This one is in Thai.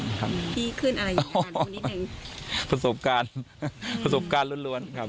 ที่ขึ้นอะไรอย่างนี้อ๋อประสบการณ์ประสบการณ์ล้วนครับ